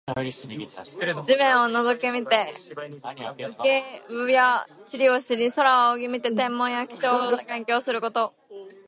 地面を覗き見て植生や地理を知り、空を仰ぎ見て天文や気象を勉強すること。